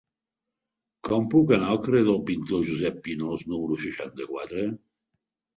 Com puc anar al carrer del Pintor Josep Pinós número seixanta-quatre?